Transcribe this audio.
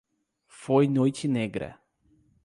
Foi noite negra